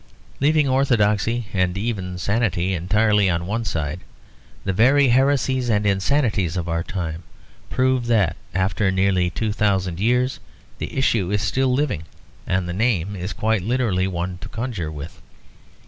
Leaving orthodoxy and even sanity entirely on one side, the very heresies and insanities of our time prove that after nearly two thousand years the issue is still living and the name is quite literally one to conjure with.